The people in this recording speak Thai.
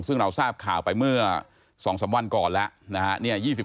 ซึ่งเราทราบข่าวไปเมื่อ๒๓วันก่อนแล้วนะฮะ